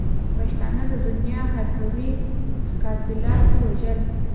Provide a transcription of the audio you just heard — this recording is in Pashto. پښتانه د دنیا حرفوي قاتلاتو وژل.